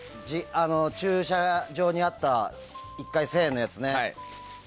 駐車場にあった１回１０００円のやつね。